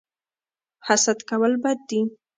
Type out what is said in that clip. حسد کول بد دي